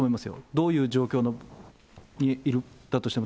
どういう状況にいるんだとしても。